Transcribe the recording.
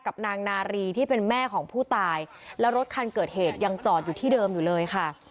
นางนารีที่เป็นแม่ของผู้ตายแล้วรถคันเกิดเหตุยังจอดอยู่ที่เดิมอยู่เลยค่ะ